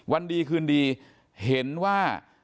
วันดีคืนดีเห็นว่า